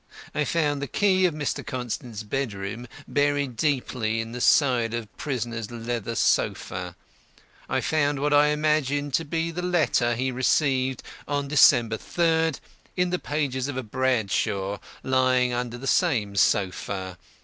I found the key of Mr. Constant's bedroom buried deeply in the side of prisoner's leather sofa. I found what I imagine to be the letter he received on December 3rd, in the pages of a 'Bradshaw' lying under the same sofa.